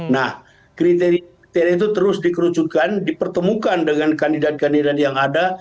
nah kriteria kriteria itu terus dikerucutkan dipertemukan dengan kandidat kandidat yang ada